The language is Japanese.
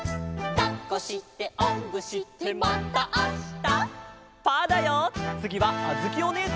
「だっこしておんぶしてまたあした」